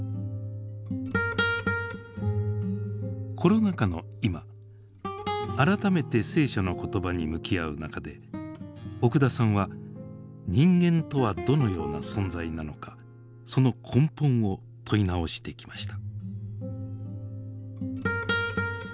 コロナ禍の今改めて聖書の言葉に向き合う中で奥田さんは人間とはどのような存在なのかその根本を問い直してきました。